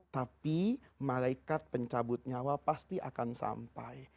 tapi malaikat pencabut nyawa pasti akan sampai